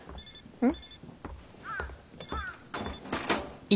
うん？